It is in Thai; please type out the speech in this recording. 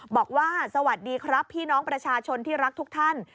บอกว่าสวัสดีครับพี่น้องประชาชนที่รักทุกท่าน